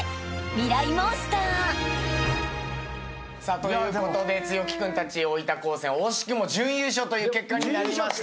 という毅君］ということで毅君たち大分高専惜しくも準優勝という結果になりました。